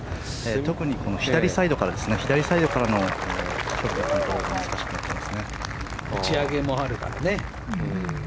特に左サイドからのショットが打ち上げもあるからね。